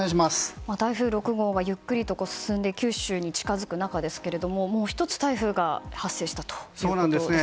台風６号がゆっくりと進んで九州に近づく中ですがもう１つ台風が発生したということですね。